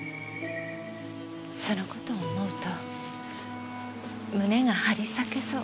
その事を思うと胸が張り裂けそう。